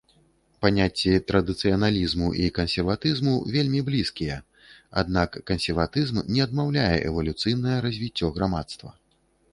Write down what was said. Паняцці традыцыяналізму і кансерватызму вельмі блізкія, аднак кансерватызм не адмаўляе эвалюцыйнае развіццё грамадства.